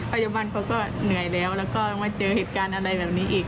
พยาบาลเขาก็เหนื่อยแล้วแล้วก็มาเจอเหตุการณ์อะไรแบบนี้อีก